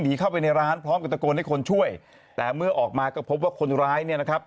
เข้าไปในร้านพร้อมกับตะโกนให้คนช่วยแต่เมื่อออกมาก็พบว่าคนร้ายเนี่ยนะครับ